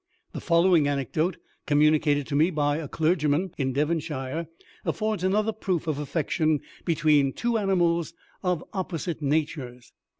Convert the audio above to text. The following anecdote, communicated to me by a clergyman in Devonshire, affords another proof of affection between two animals of opposite natures.